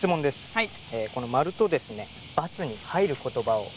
はい。